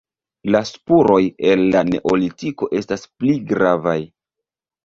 La spuroj el la neolitiko estas pli gravaj.